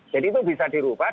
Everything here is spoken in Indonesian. jadi itu bisa dirubah